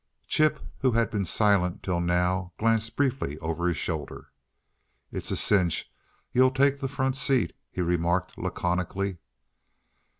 Chip, who had been silent till now, glanced briefly over his shoulder. "It's a cinch you'll take the front seat," he remarked, laconically.